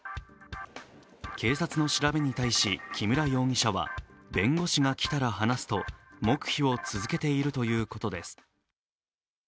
警察の調べに対し木村容疑者は弁護士が来たら話すと黙秘を続けているということです。